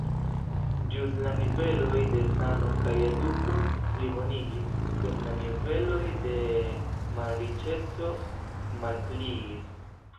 Ĵus la niveloj de sano kaj eduko plibonigis, dum la niveloj de malriĉeco malpliigis.